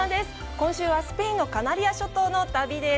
今週は、スペインのカナリア諸島の旅です。